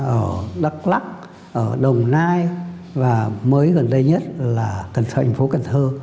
ở đắk lắc ở đồng nai và mới gần đây nhất là thành phố cần thơ